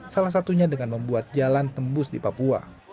salah satunya dengan membuat jalan tembus di papua